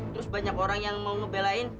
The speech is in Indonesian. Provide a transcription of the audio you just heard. terus banyak orang yang mau lo belain